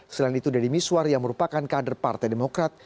selain itu deddy miswar yang merupakan kader partai demokrat